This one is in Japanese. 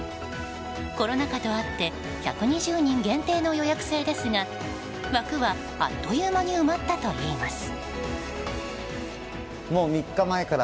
コロナ禍とあって１２０人限定の予約制ですが枠は、あっという間に埋まったといいます。